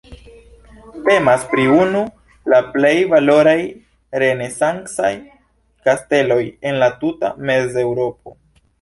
Temas pri unu la plej valoraj renesancaj kasteloj en la tuta Mezeŭropo.